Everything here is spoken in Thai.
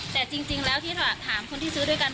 แต่จริงแล้วที่ถามคนที่ซื้อด้วยกัน